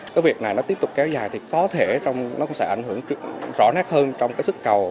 cái việc này nó tiếp tục kéo dài thì có thể nó cũng sẽ ảnh hưởng rõ nét hơn trong cái sức cầu